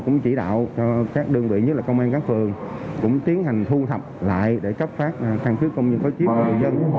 cũng chỉ đạo các đơn vị nhất là công an các phường cũng tiến hành thu thập lại để cấp phát căn cước công dân có chiếm cho người dân